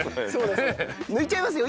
抜いちゃいますよ。